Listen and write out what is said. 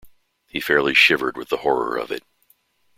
He fairly shivered with the horror of it.